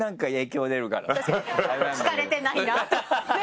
「聞かれてないな」とかね。